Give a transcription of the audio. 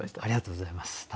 ありがとうございます。